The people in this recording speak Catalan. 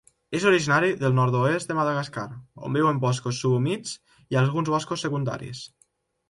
És originari del nord-oest de Madagascar, on viu en boscos subhumits i alguns boscos secundaris.